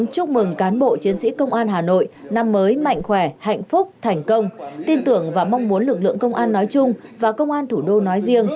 cảm ơn các bạn đã theo dõi